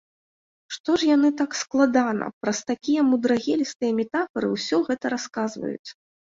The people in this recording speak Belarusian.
Што ж гэта яны так складана, праз такія мудрагелістыя метафары ўсё гэта расказваюць?